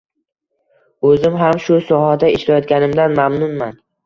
Oʻzim ham shu sohada ishlayotganimdan mamnunman.